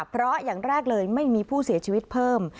เพราะอย่างแรกเลยไม่มีผู้เสียชีวิตเพิ่ม